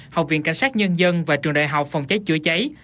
học viện cảnh sát nhân dân và trường đại học phòng cháy chữa cháy